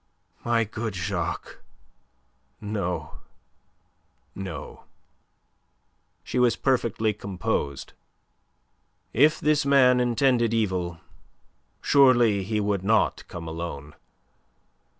"My good Jacques, no, no." She was perfectly composed. "If this man intended evil, surely he would not come alone.